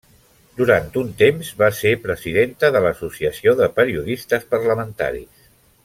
Durant un temps va ser presidenta de l'Associació de Periodistes Parlamentaris.